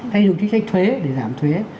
hay dùng chính sách thuế để giảm thuế